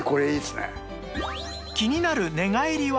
気になる寝返りは？